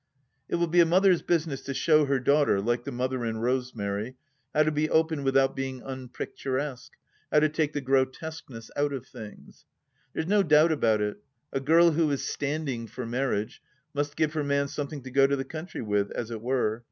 It will be a mother's business to show her daughter — like the Mother in Rose Mary — how to be open without being unpicturesque, how to take the grotesqueness out of things. There's no doubt about it, a girl who is "standing" for marriage must give her man something to go to the country with, as it were.